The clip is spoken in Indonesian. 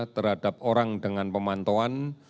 terhadap orang dengan pemantauan